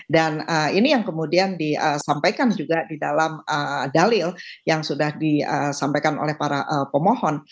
dan ini yang kemudian disampaikan juga di dalam dalil yang sudah disampaikan oleh para pemohon